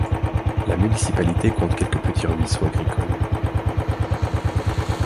La municipalité compte quelques petits ruisseaux agricoles.